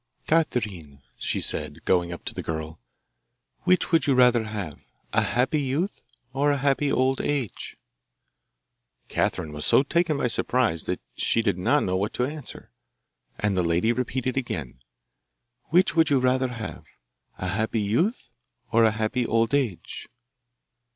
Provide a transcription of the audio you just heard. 'Catherine,' she said, going up to the girl, 'which would you rather have a happy youth or a happy old age?' Catherine was so taken by surprise that she did not know what to answer, and the lady repeated again, 'Which would you rather have a happy youth or a happy old age?